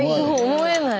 思えない。